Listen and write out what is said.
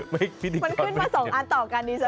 มันขึ้นมา๒อันต่อกันดิฉัน